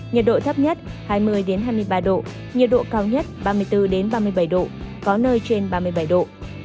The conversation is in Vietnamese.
nhiệt độ thấp nhất hai mươi hai mươi ba độ nhiệt độ cao nhất ba mươi bốn ba mươi bảy độ có nơi trên ba mươi bảy độ